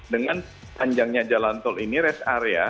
dengan panjangnya jalan tol ini rest area